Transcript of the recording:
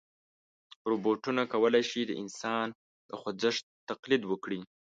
روبوټونه کولی شي د انسان د خوځښت تقلید وکړي.